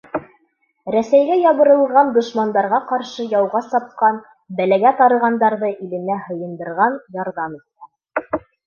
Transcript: Рәсәйгә ябырылған дошмандарға ҡаршы яуға сапҡан, бәләгә тарығандарҙы иленә һыйындырған, ярҙам иткән...